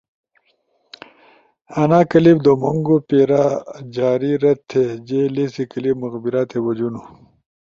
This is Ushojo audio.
آنا کلپ دُومونگو پیرا جا رد تھے جے لیسی کلپ مقبرہ تے بجونو۔